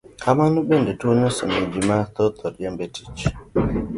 Kamano bende, tuoni osemiyo bende ji mathoth oriemb e tich.